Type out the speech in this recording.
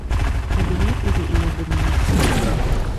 Хәбирә үҙе эйәрҙе миңә...